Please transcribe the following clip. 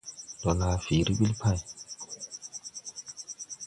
Ndo laa fiiri ɓil pay.